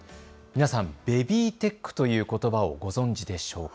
皆さん、ベビーテックということばをご存じでしょうか。